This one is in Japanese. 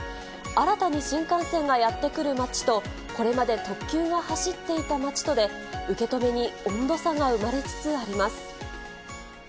新たに新幹線がやって来る街と、これまで特急が走っていた街とで、受け止めに温度差が生まれつつあります。